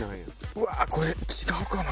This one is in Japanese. うわこれ違うかな。